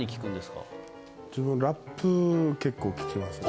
自分ラップ結構聴きますね。